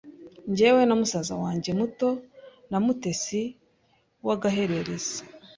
Njyewe na musaza wanjye muto na Mutesi w’agahererezi